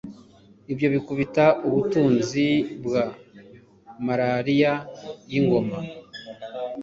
ibyo bikubita ubutunzi bwa malariya yingoma